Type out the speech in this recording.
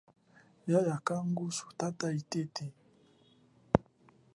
Yaya kangu sutata itete.